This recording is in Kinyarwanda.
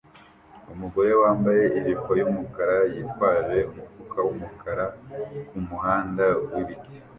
Umugore wambaye ijipo yumukara yitwaje umufuka wumukara kumuhanda wibiti